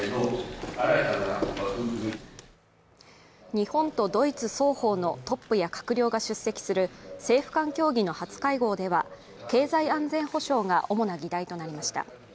日本とドイツ双方のトップや閣僚が出席する政府間協議の初会合では、経済安全保障が主な議題となりました。